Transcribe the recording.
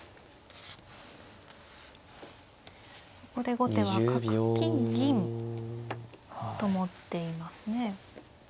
ここで後手は角金銀と持っていますね。